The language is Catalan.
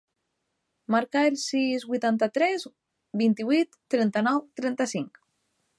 Marca el sis, vuitanta-tres, vint-i-vuit, trenta-nou, trenta-cinc.